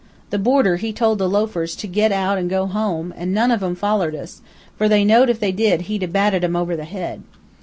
The boarder he told the loafers to get out an' go home, an' none of 'em follered us, for they know'd if they did he'd a batted 'em over the head.